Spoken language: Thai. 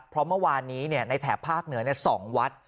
เพราะเมื่อวานนี้ในแถบภาคเหนือ๒วัด